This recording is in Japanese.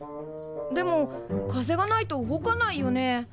でも風がないと動かないよね？